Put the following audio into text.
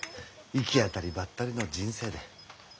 行き当たりばったりの人生で。